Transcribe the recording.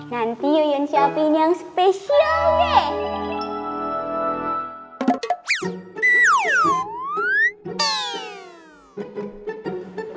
nanti yuyun siapin yang spesial nih